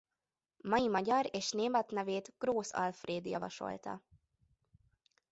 Mai magyar és német nevét Grósz Alfréd javasolta.